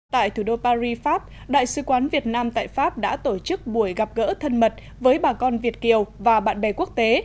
tại thủ đô paris pháp đại sứ quán việt nam tại pháp đã tổ chức buổi gặp gỡ thân mật với bà con việt kiều và bạn bè quốc tế